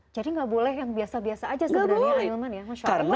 jadi nggak boleh yang biasa biasa aja sebenarnya